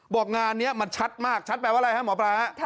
งานนี้มันชัดมากชัดแปลว่าอะไรฮะหมอปลา